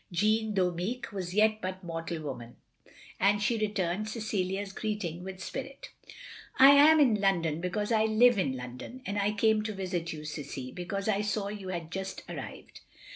Jeanne, though meek, was yet but mortal woman, and she rettimed Cecilia's greeting with spirit. "I am in Lrondon because I live in London; and I came to visit you, Cissie, because I saw you had just arrived."